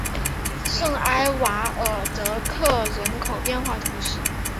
圣埃瓦尔泽克人口变化图示